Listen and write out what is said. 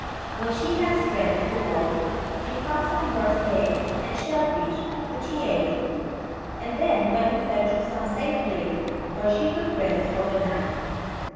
When she had strength to walk, she found some birds' eggs and shell fish, which she ate, and then went in search of some safe place where she could rest for the night.